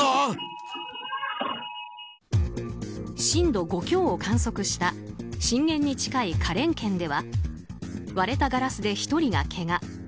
震度５強を観測した震源に近い花蓮県では割れたガラスで１人がけが。